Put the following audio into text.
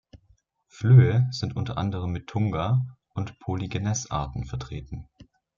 Flöhe sind unter anderem mit "Tunga-" und "Polygenes-Arten" vertreten.